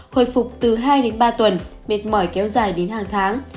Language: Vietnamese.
hồi phục từ hai đến ba tuần mệt mỏi kéo dài đến hàng tháng